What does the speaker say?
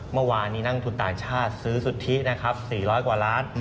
เมื่อวานนี้นักทุนต่างชาติซื้อสุทธินะครับ๔๐๐กว่าล้าน